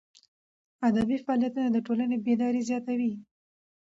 ادبي فعالیتونه د ټولني بیداري زیاتوي.